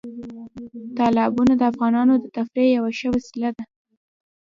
تالابونه د افغانانو د تفریح یوه ښه وسیله ده.